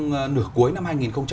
nửa cuối năm hai nghìn hai mươi ba